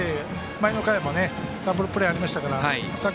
前の回もダブルプレーありましたから。